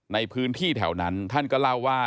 ในพื้นที่แถวนั้นท่านก็เล่าว่า